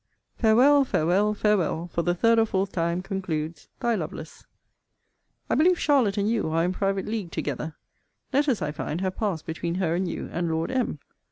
Farewell, farewell, farewell, for the third or fourth time, concludes Thy LOVELACE. I believe Charlotte and you are in private league together. Letters, I find, have passed between her and you, and Lord M.